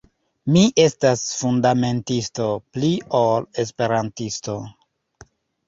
Mi estas fundamentisto, pli ol Esperantisto.